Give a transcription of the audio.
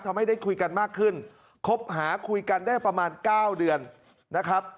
ได้คุยกันมากขึ้นคบหาคุยกันได้ประมาณ๙เดือนนะครับ